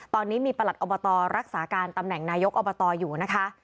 ตอนนี้มีประหลัดอบตรักษาการตำแหน่งนายกอบตอยู่นะคะ